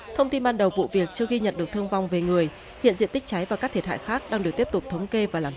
thông tin ban đầu vụ việc chưa ghi nhận được thương vong về người hiện diện tích cháy và các thiệt hại khác đang được tiếp tục thống kê và làm rõ